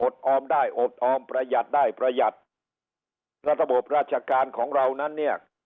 ออมได้อดออมประหยัดได้ประหยัดระบบราชการของเรานั้นเนี่ย